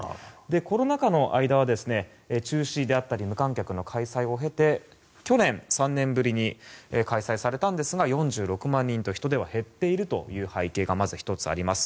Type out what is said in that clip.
コロナ禍の間は中止であったり無観客の開催を経て去年３年ぶりに開催されたんですが４６万人と人出は減っているという背景が１つあります。